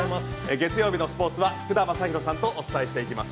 月曜日のスポーツは福田正博さんとお伝えしていきます。